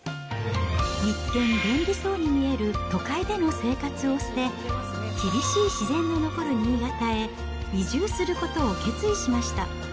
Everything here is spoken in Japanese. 一見、便利そうに見える都会での生活を捨て、厳しい自然の残る新潟へ移住することを決意しました。